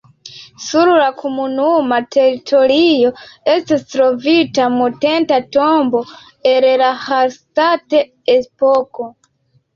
Sur la komunuma teritorio estis trovita monteta tombo el la Hallstatt-epoko.